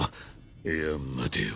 いや待てよ。